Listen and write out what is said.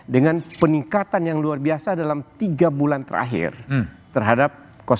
dengan peningkatan yang luar biasa dalam tiga bulan terakhir terhadap